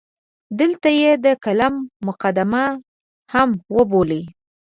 دلته یې د کالم مقدمه هم وبولئ.